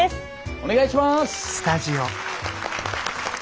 お願いします。